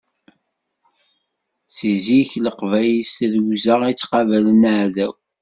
Seg zik leqbayel s tirugza i ttqabalen aɛdaw.